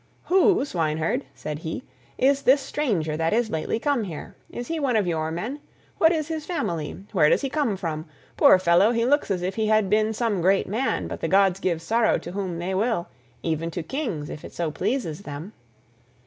"Who, Swineherd," said he, "is this stranger that is lately come here? Is he one of your men? What is his family? Where does he come from? Poor fellow, he looks as if he had been some great man, but the gods give sorrow to whom they will—even to kings if it so pleases them."